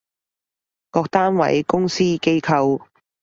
各單位，公司，機構